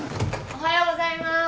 おはようございます。